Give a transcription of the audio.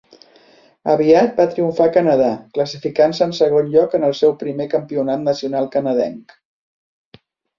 Aviat va triomfar a Canadà, classificant-se en segon lloc en el seu primer campionat nacional canadenc.